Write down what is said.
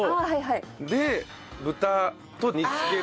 で豚と煮付ける。